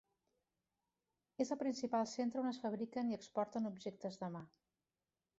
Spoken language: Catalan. És el principal centre on es fabriquen i exporten objectes de mà.